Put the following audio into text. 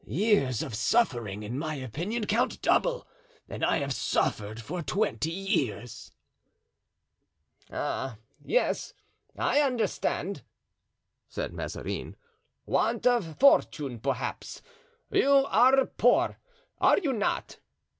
Years of suffering, in my opinion, count double, and I have suffered for twenty years." "Ah, yes, I understand," said Mazarin; "want of fortune, perhaps. You are poor, are you not?"